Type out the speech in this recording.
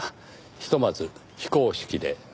ひとまず非公式で。